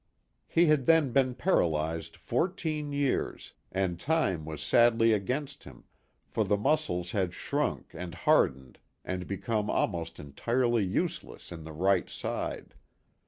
He had then been paralyzed fourteen years, and time was sadly against him, for the muscles had shrunk and hardened and become almost entirely useless in the right side.